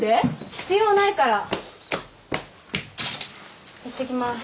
必要ないからいってきます